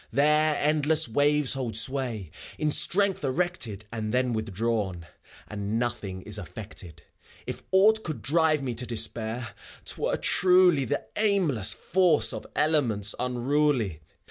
There endless waves hold sway, in strength erected And then withdrawn, — ^and nothing is effected. If aught could drive me to despair, 't were, truly The aimless force of elements unruly.